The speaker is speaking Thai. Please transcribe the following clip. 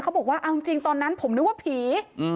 บอกว่าเอาจริงตอนนั้นผมนึกว่าผี